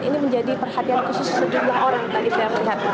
ini menjadi perhatian khusus sejumlah orang tadi saya melihat